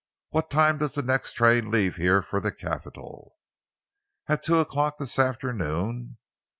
What time does the next train leave here for the capital?" "At two o'clock this afternoon."